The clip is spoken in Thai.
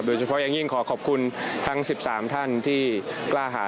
โดยเฉพาะอย่างยิ่งขอขอบคุณทั้ง๑๓ท่านที่กล้าหา